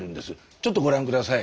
ちょっとご覧下さい。